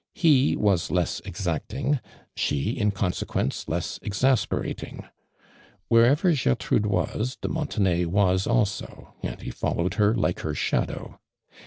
He was less exacting, she, in conse(iuence, leas exasperating. Wherever Gertrude was, de Montenay was also, and he followed her like her shadow.